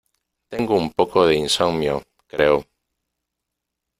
Tengo un poco de insomnio, creo.